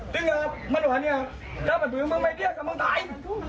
ถึงมันว่าเนี่ยถ้ามันต้องมีมันไม่ได้มันต้องตาย